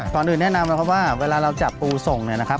ก่อนอื่นแนะนำนะครับว่าเวลาเราจับปูส่งเนี่ยนะครับ